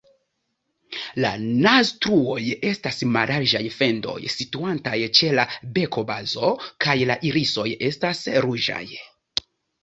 La naztruoj estas mallarĝaj fendoj situantaj ĉe la bekobazo, kaj la irisoj estas ruĝaj.